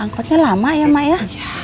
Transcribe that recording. angkotnya lama ya mak ya